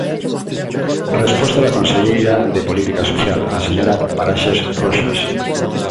Resposta da conselleira de Política Social, a señora Paraxes Roxas.